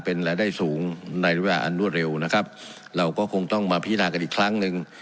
เป็นรายได้สูงในระยะอันรวดเร็วนะครับเราก็คงต้องมาพินากันอีกครั้งหนึ่ง